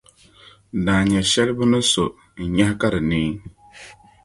daanya shɛli bɛ ni so n-nyahi ka di neei.